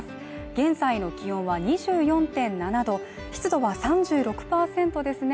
現在の気温は２４．７度湿度は３６％ですね